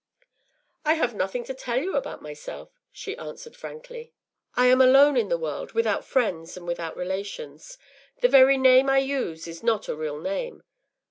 ” “I have nothing to tell you about myself,” she answered, frankly. “I am alone in the world, without friends and without relations. The very name I use is not a real name.